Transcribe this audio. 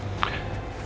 ini bukan urusan kamu